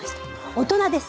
大人です！